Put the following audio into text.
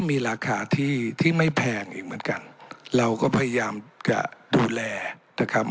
มีราคาที่ที่ไม่แพงอีกเหมือนกันเราก็พยายามจะดูแลนะครับ